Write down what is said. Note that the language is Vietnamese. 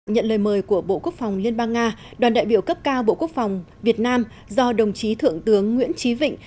nhận lời mời của bộ quốc phòng liên bang nga đoàn đại biểu cấp cao bộ quốc phòng việt nam do đồng chí thượng tướng nguyễn trí vịnh